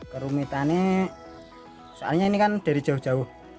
kerumitannya soalnya ini kan dari jauh jauh